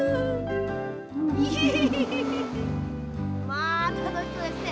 まあたのしそうですね。